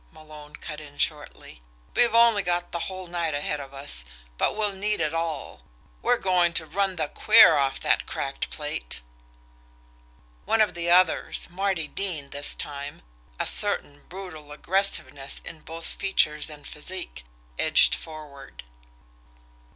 Malone cut in shortly. "We've only got the whole night ahead of us but we'll need it all. We're going to run the queer off that cracked plate." One of the others, Marty Dean this time, a certain brutal aggressiveness in both features and physique, edged forward.